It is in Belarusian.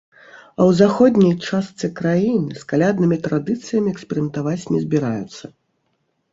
А ў заходняй частцы краіны з каляднымі традыцыямі эксперыментаваць не збіраюцца.